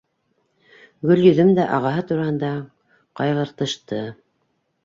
Гөлйөҙөм дә ағаһы тураһында ҡайғыртышты.